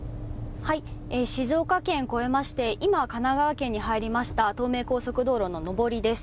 静岡県を越えまして今、神奈川県に入りました東名高速道路の上りです。